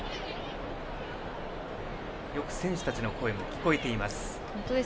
よく選手たちの声も聞こえています。